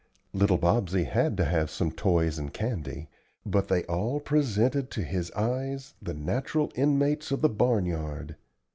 Little Bobsey had to have some toys and candy, but they all presented to his eyes the natural inmates of the barn yard.